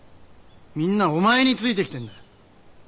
みんなお前についてきてんだ。